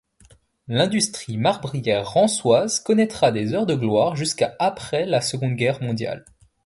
L’industrie marbrière rançoise connaîtra des heures de gloire jusqu’après la Seconde Guerre mondiale.